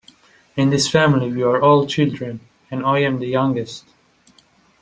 In this family we are all children, and I am the youngest.